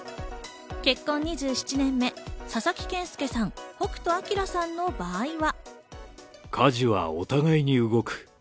結婚２７年目、佐々木健介さん、北斗晶さんの場合は。